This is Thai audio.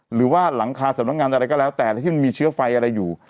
หรือว่าหลังคาสำนักงานอะไรก็แล้วแต่ที่มันมีเชื้อไฟอะไรอยู่